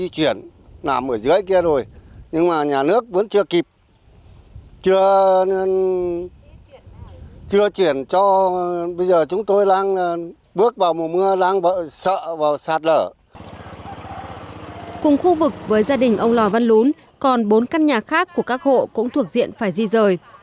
cùng khu vực với gia đình ông lò văn lún còn bốn căn nhà khác của các hộ cũng thuộc diện phải di rời